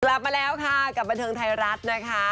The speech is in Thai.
กลับมาแล้วค่ะกับบันเทิงไทยรัฐนะคะ